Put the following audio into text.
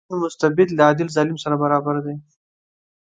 عادل مستبد له عادل ظالم سره برابر دی.